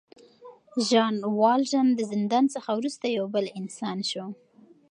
ژان والژان د زندان څخه وروسته یو بل انسان شو.